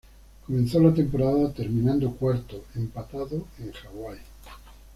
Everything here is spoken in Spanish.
Comenzó la temporada terminando cuarto empatado en Hawai.